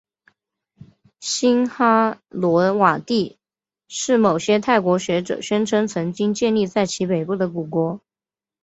辛哈罗瓦帝是某些泰国学者宣称曾经建立在其北部的古国。